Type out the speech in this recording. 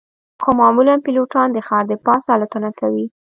خو معمولاً پیلوټان د ښار د پاسه الوتنه کوي